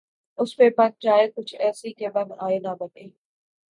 اس پہ بن جائے کچھ ایسی کہ بن آئے نہ بنے